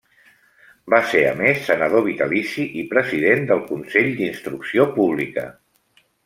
Va ser a més senador vitalici i President del Consell d'Instrucció Pública.